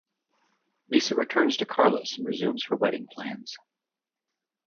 Lisa returns to Carlos and resumes her wedding plans.